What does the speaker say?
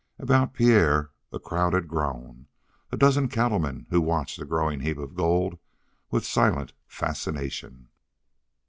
About Pierre a crowd had grown a dozen cattlemen who watched the growing heap of gold with silent fascination.